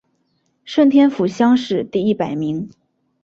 顺天府乡试第一百名。